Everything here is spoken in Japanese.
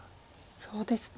そうですね。